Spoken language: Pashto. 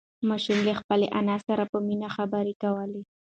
ماشوم له خپلې انا سره په مینه خبرې کولې